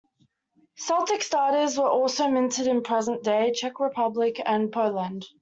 Celtic staters were also minted in present-day Czech Republic and Poland.